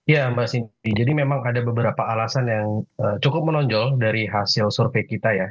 ya mbak singgi jadi memang ada beberapa alasan yang cukup menonjol dari hasil survei kita ya